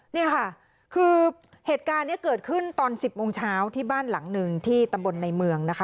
นี่ค่ะคือเหตุการณ์นี้เกิดขึ้นตอน๑๐โมงเช้าที่บ้านหลังหนึ่งที่ตำบลในเมืองนะคะ